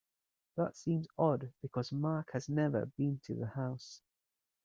That seems odd because Mark has never been to the house.